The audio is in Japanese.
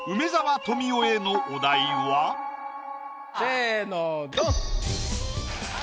せぇのドン！